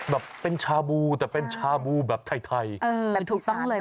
แบบถูกซ้อนเลย